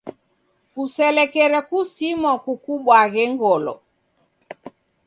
Kuselekere kusimwa kukubwaghe ngolo.